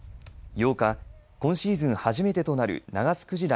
８日、今シーズン初めてとなるナガスクジラ